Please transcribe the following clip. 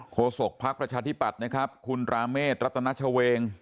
โฆษกภักดิ์ประชาธิบัติคุณราเมฆรัตนาชเวง